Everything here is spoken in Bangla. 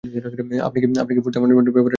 আপনি কি ফোর্থ অ্যামেন্ডমেন্ডের ব্যাপারে জানেন?